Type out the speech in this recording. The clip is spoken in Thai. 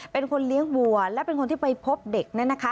เป็นคนเลี้ยงวัวและเป็นคนที่ไปพบเด็กเนี่ยนะคะ